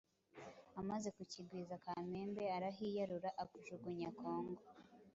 Amaze kukwigiza Kamembe Arahiyarura akujugunya Kongo !